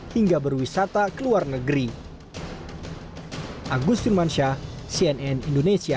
hingga berwisata ke luar negeri